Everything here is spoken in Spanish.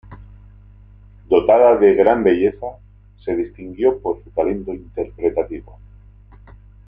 Dotada de gran belleza, se distinguió por su talento interpretativo.